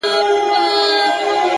o اوس مي د هغي دنيا ميـر ويـــده دی ـ